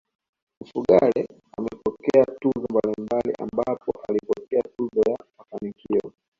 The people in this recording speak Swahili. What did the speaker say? Mfugale amepokea tuzo mbalimbali ambapo alipokea tuzo ya mafanikio